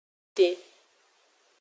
Te.